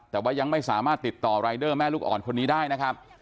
แต่ว่ายังไม่สามารถติดต่อรายเดอร์แม่ลูกอ่อนคนนี้ได้นะครับ